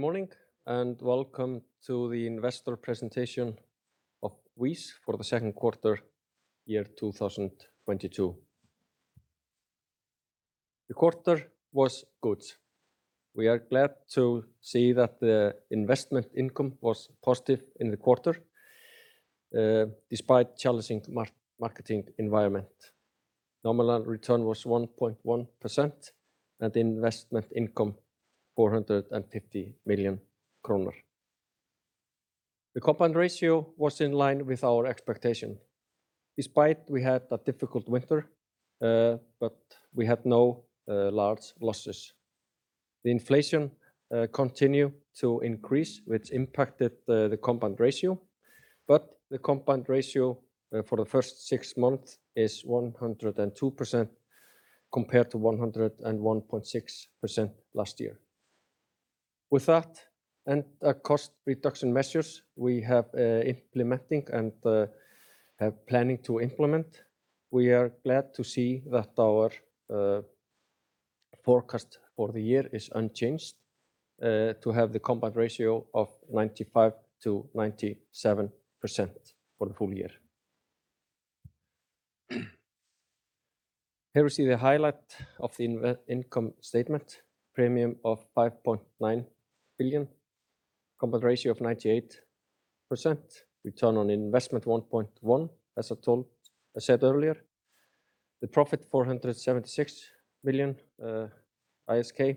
Good morning, and welcome to the investor presentation of Skagi for the second quarter, 2022. The quarter was good. We are glad to see that the investment income was positive in the quarter, despite challenging market environment. Nominal return was 1.1% and investment income 450 million kronur. The combined ratio was in line with our expectation despite we had a difficult winter, but we had no large losses. The inflation continue to increase, which impacted the combined ratio, but the combined ratio for the first six months is 102% compared to 101.6% last year. With that and cost reduction measures we have implementing and have planning to implement, we are glad to see that our forecast for the year is unchanged to have the combined ratio of 95%-97% for the full year. Here we see the highlight of the income statement, premium of 5.9 billion, combined ratio of 98%, return on investment 1.1, as I said earlier. The profit 476 million ISK,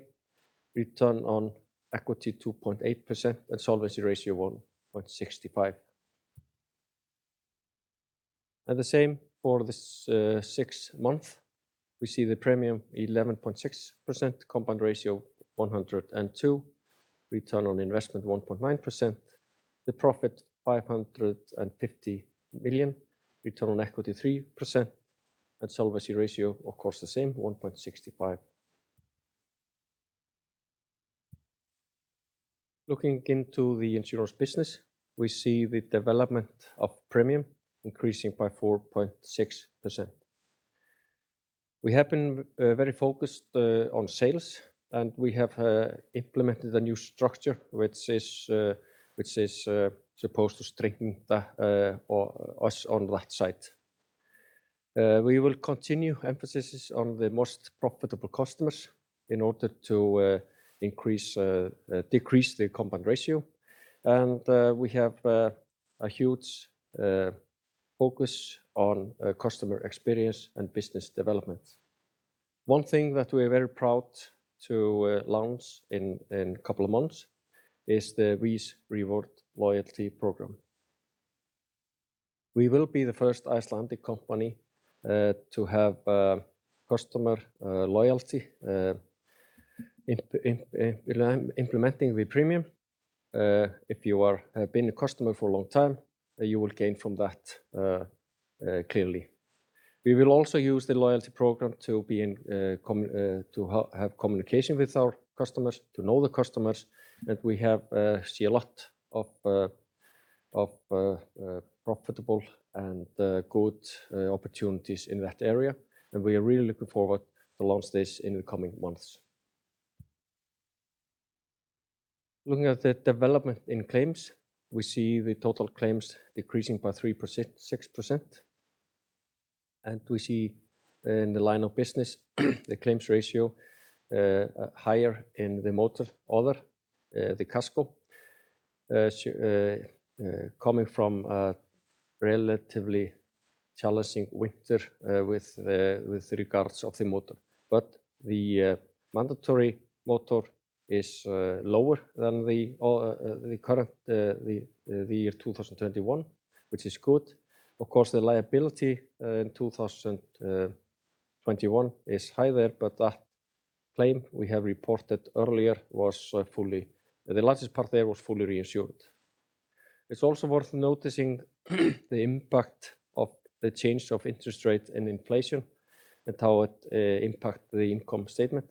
return on equity 2.8% and solvency ratio 1.65. The same for this six month. We see the premium 11.6%, combined ratio 102, return on investment 1.9%, the profit 550 million, return on equity 3%, and solvency ratio, of course, the same, 1.65. Looking into the insurance business, we see the development of premium increasing by 4.6%. We have been very focused on sales, and we have implemented a new structure which is supposed to strengthen us on that side. We will continue emphasis on the most profitable customers in order to decrease the combined ratio and we have a huge focus on customer experience and business development. One thing that we're very proud to launch in a couple of months is the VÍS Reward Loyalty Program. We will be the first Icelandic company to have customer loyalty implementing the premium. If you are been a customer for a long time, you will gain from that clearly. We will also use the loyalty program to have communication with our customers, to know the customers that we have, see a lot of profitable and good opportunities in that area, and we are really looking forward to launch this in the coming months. Looking at the development in claims, we see the total claims decreasing by 3%-6%, and we see in the line of business the claims ratio higher in the motor other, the Casco, coming from a relatively challenging winter with regard to the motor. The mandatory motor is lower than the current year 2021, which is good. Of course, the liability in 2021 is higher, but that claim we have reported earlier, the largest part there was fully reinsured. It's also worth noticing the impact of the change of interest rate and inflation and how it impact the income statement.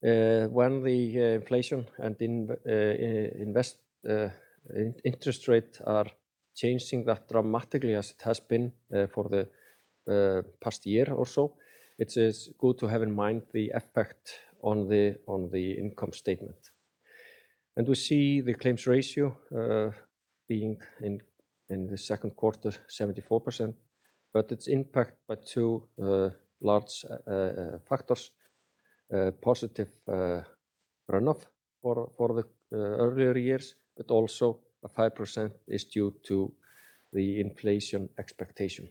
When the inflation and interest rate are changing that dramatically as it has been for the past year or so, it is good to have in mind the effect on the income statement. We see the claims ratio being in the second quarter 74%, but it's impacted by two large factors, positive runoff for the earlier years, but also 5% is due to the inflation expectation.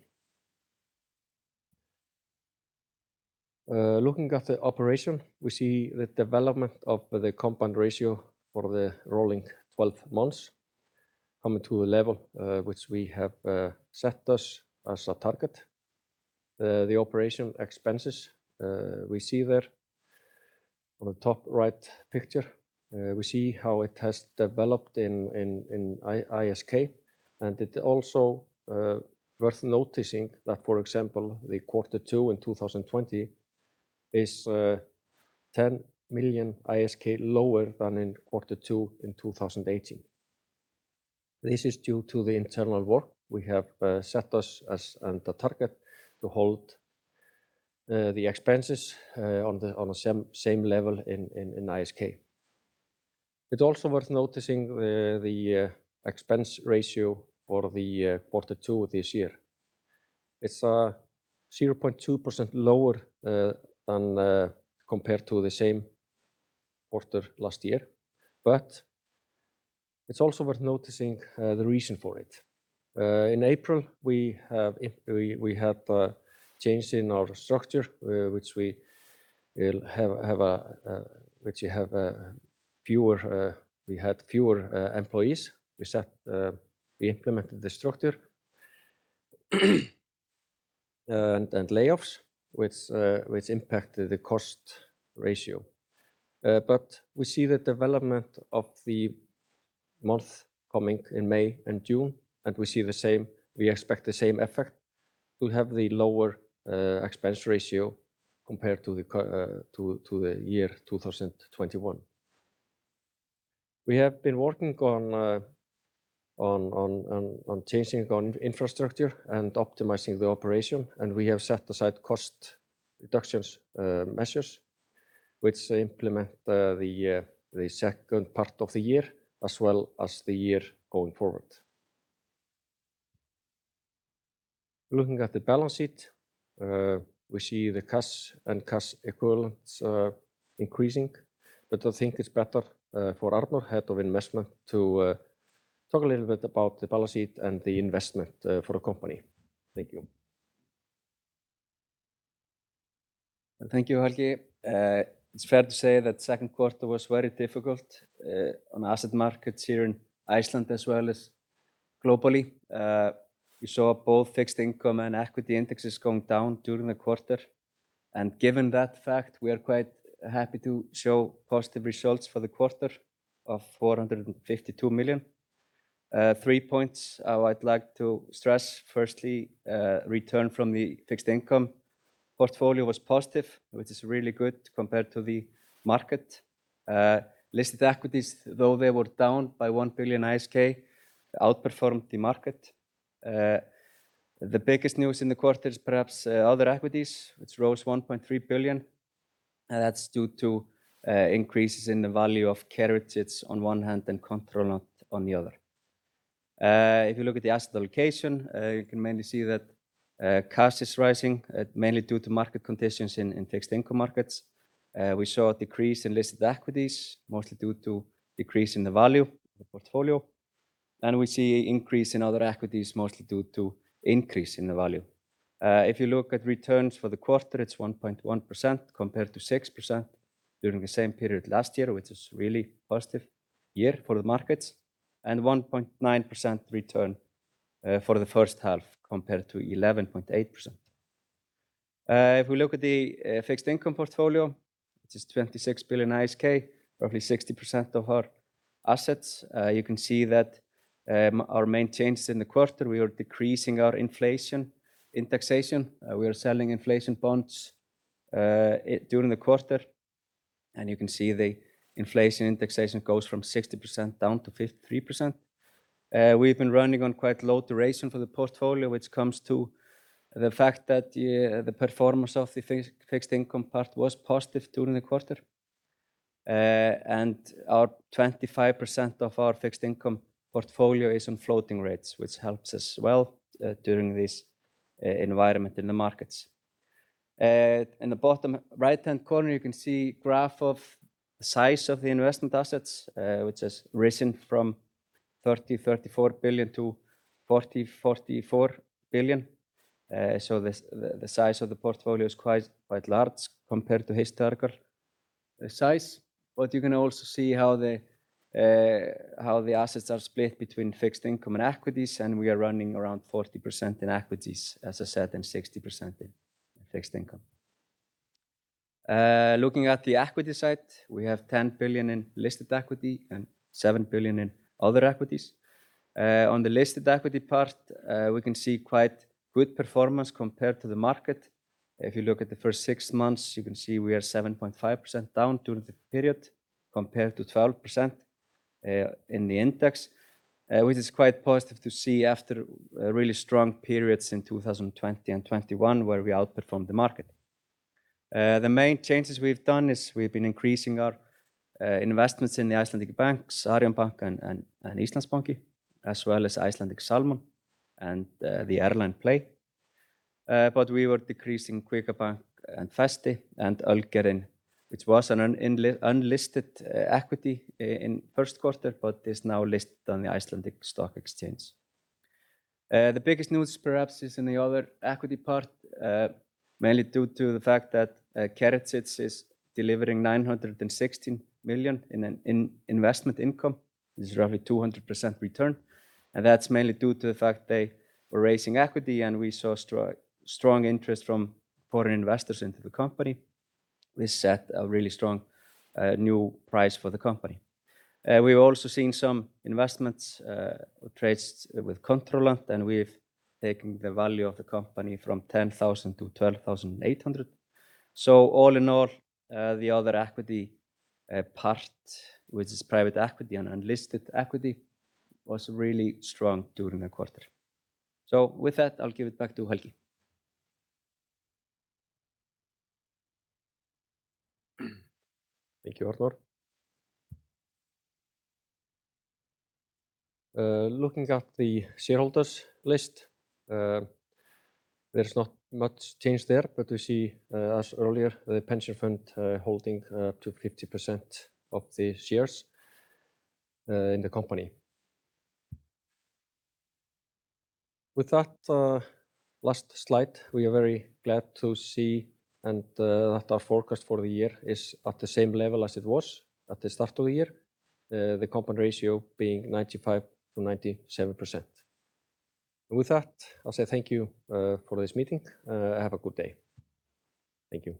Looking at the operations, we see the development of the combined ratio for the rolling 12 months coming to a level which we have set as a target. The operating expenses we see there on the top right picture we see how it has developed in ISK, and it is also worth noticing that, for example, the quarter two in 2020 is 10 million ISK lower than in quarter two in 2018. This is due to the internal work we have set ourselves as the target to hold the expenses on the same level in ISK. It's also worth noticing the expense ratio for the quarter two this year. It's 0.2% lower than compared to the same quarter last year. It's also worth noticing the reason for it. In April, we have changed our structure, which we have fewer employees. We had fewer employees. We implemented the structure and layoffs, which impacted the expense ratio. We see the development of the month coming in May and June, and we expect the same effect to have the lower expense ratio compared to the year 2021. We have been working on changing our infrastructure and optimizing the operation, and we have set aside cost reduction measures which implement the second part of the year as well as the year going forward. Looking at the balance sheet, we see the cash and cash equivalents increasing, but I think it's better for Arnar, Head of Investment, to talk a little bit about the balance sheet and the investment for the company. Thank you. Thank you, Helgi. It's fair to say that second quarter was very difficult on asset markets here in Iceland as well as globally. We saw both fixed income and equity indexes going down during the quarter. Given that fact, we are quite happy to show positive results for the quarter of 452 million. Three points I would like to stress. Firstly, return from the fixed income portfolio was positive, which is really good compared to the market. Listed equities, though they were down by 1 billion ISK, outperformed the market. The biggest news in the quarter is perhaps other equities, which rose 1.3 billion. That's due to increases in the value of Kerecis on one hand and Controlant on the other. If you look at the asset allocation, you can mainly see that cash is rising mainly due to market conditions in fixed income markets. We saw a decrease in listed equities, mostly due to decrease in the value of the portfolio. We see increase in other equities, mostly due to increase in the value. If you look at returns for the quarter, it's 1.1% compared to 6% during the same period last year, which is really positive year for the markets, and 1.9% return for the first half compared to 11.8%. If we look at the fixed income portfolio, which is 26 billion ISK, roughly 60% of our assets, you can see that our main change in the quarter, we are decreasing our inflation indexation. We are selling inflation bonds during the quarter, and you can see the inflation indexation goes from 60% down to 53%. We've been running on quite low duration for the portfolio, which comes to the fact that the performance of the fixed income part was positive during the quarter. Our 25% of our fixed income portfolio is on floating rates, which helps us well during this environment in the markets. In the bottom right-hand corner, you can see graph of the size of the investment assets, which has risen from 34 billion to 44 billion. The size of the portfolio is quite large compared to historical size. You can also see how the assets are split between fixed income and equities, and we are running around 40% in equities, as I said, and 60% in fixed income. Looking at the equity side, we have 10 billion in listed equity and 7 billion in other equities. On the listed equity part, we can see quite good performance compared to the market. If you look at the first six months, you can see we are 7.5% down during the period compared to 12% in the index, which is quite positive to see after really strong periods in 2020 and 2021 where we outperformed the market. The main changes we've done is we've been increasing our investments in the Icelandic banks, Arion banki and Íslandsbanki, as well as Icelandic Salmon and the airline PLAY. But we were decreasing Kvika banki and Festi and Ölgerðin, which was an unlisted equity in first quarter but is now listed on the Nasdaq Iceland. The biggest news perhaps is in the other equity part, mainly due to the fact that Kerecis is delivering 916 million in investment income. This is roughly 200% return, and that's mainly due to the fact they were raising equity and we saw strong interest from foreign investors into the company, which set a really strong new price for the company. We've also seen some investments, trades with Controlant, and we've taken the value of the company from 10,000 to 12,800. All in all, the other equity part, which is private equity and unlisted equity, was really strong during the quarter. With that, I'll give it back to Helgi. Thank you, Arnar. Looking at the shareholders list, there's not much change there, but we see, as earlier, the pension fund, holding up to 50% of the shares, in the company. With that, last slide, we are very glad to see and, that our forecast for the year is at the same level as it was at the start of the year. The combined ratio being 95%-97%. With that, I'll say thank you, for this meeting. Have a good day. Thank you.